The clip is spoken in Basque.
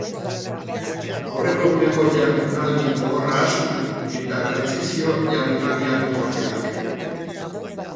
Aurreko eguneko jardunaldi gogorra ahaztu eta trantsizio jardunaldia du tropelak.